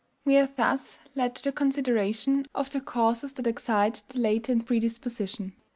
We are thus led to the consideration of the causes that excite the latent predisposition.